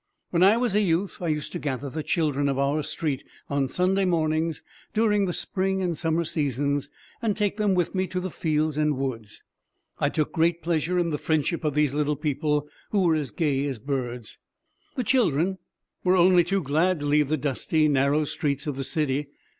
When I was a youth, I used to gather the children of our street on Sunday mornings during the spring and summer seasons and take them with me to the fields and woods. I took great pleasure in the friendship of these little people, who were as gay as birds. The children were only too glad to leave the dusty, narrow streets of the city.